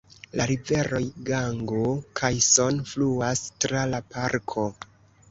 La riveroj Gango kaj Son fluas tra la parko.